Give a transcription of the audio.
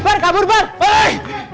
pak kabur pak malik